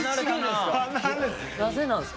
なぜなんですか？